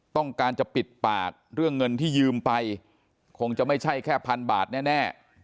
ต้องการจะปิดปากเรื่องเงินที่ยืมไปคงจะไม่ใช่แค่พันบาทแน่